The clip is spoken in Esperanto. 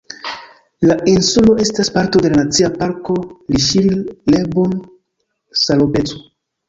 La insulo estas parto de la Nacia Parko Riŝiri-Rebun-Sarobecu.